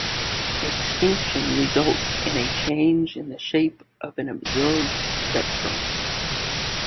Extinction results in a change in the shape of an observed spectrum.